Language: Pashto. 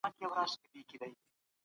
که ژبه وساتل سي، ستونزي کمېږي.